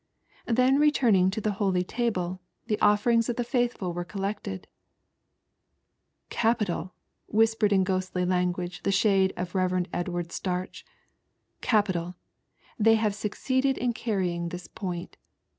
Then returning to the Holy Table, the offeringB of the faithful were collected, "Capital!" whispered in ghostly language the shade of the Eev, Edward Starch. " Capital ! They have succeeded in carrying this point.